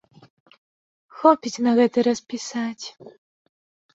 Хопіць на гэты раз пісаць.